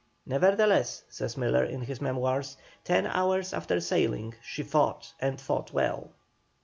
"Nevertheless," says Miller, in his Memoirs, "ten hours after sailing she fought and fought well."